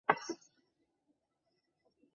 但被广泛用于各种名称。